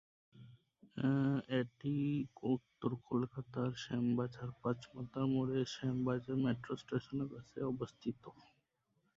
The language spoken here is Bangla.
এটি উত্তর কলকাতার শ্যামবাজার পাঁচ মাথার মোড়ে শ্যামবাজার মেট্রো স্টেশনের কাছে অবস্থিত।